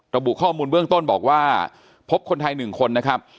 ระบุข้อมูลเบื้องต้นบอกว่าพบคนไทย๑คนนะครับ